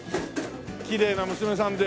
きれいな娘さんで。